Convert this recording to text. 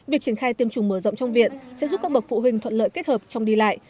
việc triển khai tiêm chủng mở rộng trong viện sẽ giúp các bậc phụ huynh thuận lợi kết hợp trong đi lại